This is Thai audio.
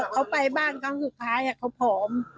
เขาไปบ้านครั้งสุดท้ายเขาผอม